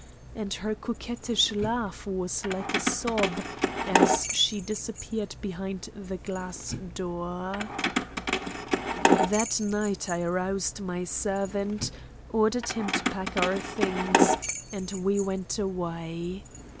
And her coquettish laugh was like a sob as she disappeared behind the glass door. That night I aroused my servant, ordered him to pack our things, and we went away.